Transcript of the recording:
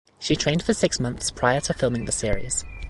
She trained for six months prior to filming the series.